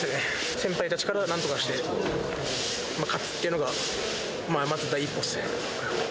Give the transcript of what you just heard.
先輩たちからなんとかして勝つっていうのが、まず第一歩ですね。